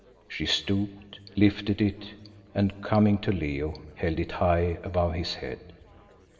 She stooped, lifted it, and coming to Leo held it high above his head.